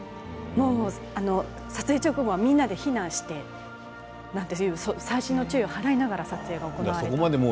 撮影直後はみんなで避難をして細心の注意を払いながら撮影をしたということです。